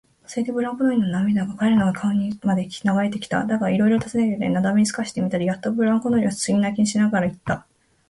それでブランコ乗りの涙が彼の顔にまで流れてきた。だが、いろいろたずねてみたり、なだめすかしてみたりしてやっと、ブランコ乗りはすすり泣きしながらいった。